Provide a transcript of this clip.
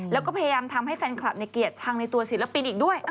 และก็ทำให้แฟนคลับเห็นเกลียดชังในตัวของสิลปินอีกด้วย